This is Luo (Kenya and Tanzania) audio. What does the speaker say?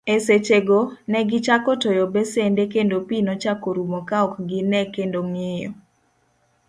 E sechego, negichako toyo besende kendo pii nochako rumo kaok gine kendo ng'iyo.